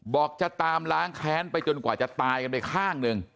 บอกจะตามล้างแค้นไปจนกว่าจะตายกันไปข้างหนึ่ง